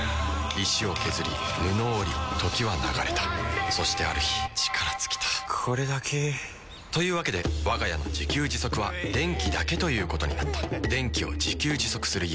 石を削り布を織り時は流れたそしてある日力尽きたこれだけ。というわけでわが家の自給自足は電気だけということになった電気を自給自足する家。